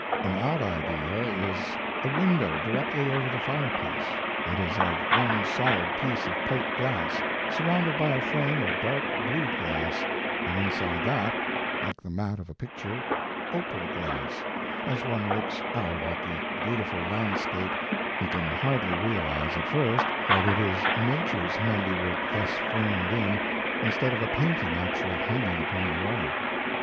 An odd idea is a window directly over the fireplace; it is of one solid piece of plate glass, surrounded by a frame of dark blue glass, and inside that, like the mat of a picture, opal glass, as one looks i68 Mark Twain out at the beautiful landscape, he can hardly realize at first that it is nature s handiwork thus framed in, instead of a painting actually hanging upon the wall.